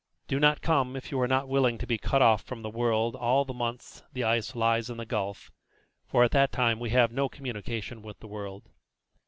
Do not come if you are not willing to be cut off from the world all the months the ice lies in the gulf, for at that time we have no communication with the world.